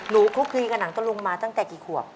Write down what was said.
หนูเขาคุยกับหนังตะลุงมาตั้งแต่กี่ขวบ